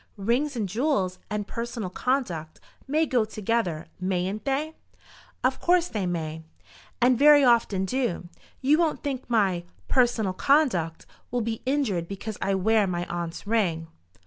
"Rings and jewels, and personal conduct may go together; mayn't they?" "Of course they may." "And very often do. You won't think my personal conduct will be injured because I wear my aunt's ring?"